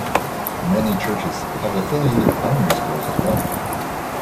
Many churches have affiliated primary schools as well.